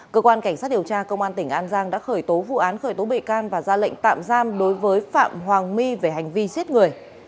cơ quan cảnh sát điều tra công an tỉnh an giang đã khởi tố vụ án khởi tố bệ can và ra lệnh tạm giam đối với phạm hoàng my về hành vi giết người